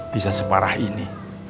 bisa separah ini